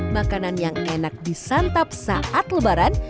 makanan yang enak disantap saat lebaran